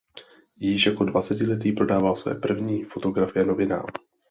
Již jako dvacetiletý prodával své první fotografie novinám.